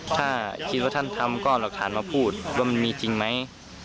ถ้าคิดว่าท่านทำก็เอาหลักฐานมาพูดว่ามันมีจริงไหม